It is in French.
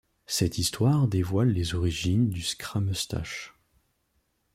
Cette histoire dévoile les origines du Scrameustache.